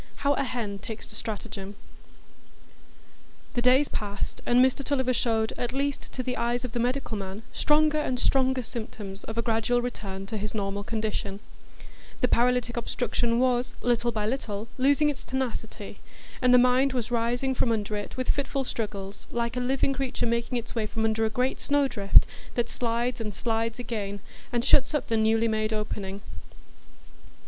How a Hen Takes to Stratagem The days passed, and Mr Tulliver showed, at least to the eyes of the medical man, stronger and stronger symptoms of a gradual return to his normal condition; the paralytic obstruction was, little by little, losing its tenacity, and the mind was rising from under it with fitful struggles, like a living creature making its way from under a great snowdrift, that slides and slides again, and shuts up the newly made opening.